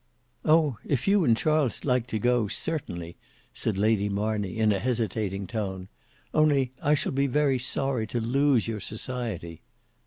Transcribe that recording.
"Oh! if you and Charles like to go, certainly." said Lady Marney in a hesitating tone; "only I shall be very sorry to lose your society."